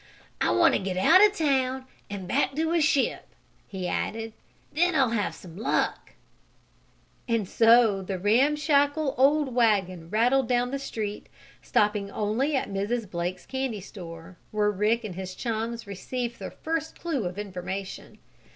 "I want to get out of town and back to a ship," he added. "Then I'll have some luck!" And so the ramshackle old wagon rattled down the street, stopping only at Mrs. Blake's candy store, where Rick and his chums received their first clue or information.